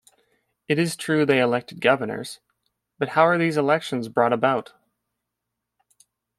It is true they elected governors; but how are these elections brought about?